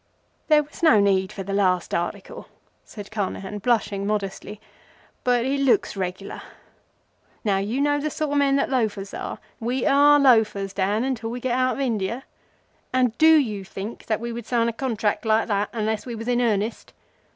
"There was no need for the last article," said Carnehan, blushing modestly; "but it looks regular. Now you know the sort of men that loafers are—we are loafers, Dan, until we get out of India—and do you think that we could sign a Contrack like that unless we was in earnest?